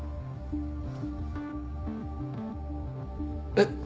えっ？